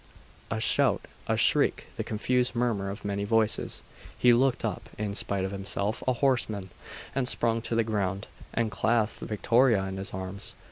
A shout a shriek the confused murmur of many voices.... He looked up, in spite of himself a horseman had sprung to the ground, and clasped Victoria in his arms.